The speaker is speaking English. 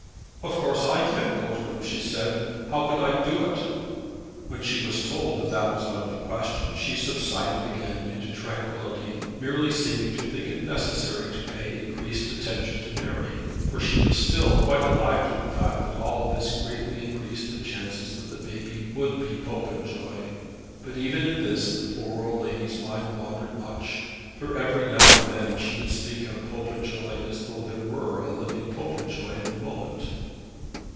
"Of course I can't go to him," she said; "how could I do it?" When she was told that that was out of the question she subsided again into tranquillity, merely seeming to think it necessary to pay increased attention to Mary; for she was still quite alive to the fact that all this greatly increased the chances that the baby would be Popenjoy; but even in this the poor old lady's mind wandered much, for every now and then she would speak of Popenjoy as though there were a living Popenjoy at the present moment.